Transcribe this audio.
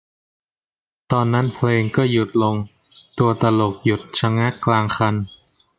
ตอนนั้นเพลงก็หยุดลง ตัวตลกหยุดชะงักกลางคัน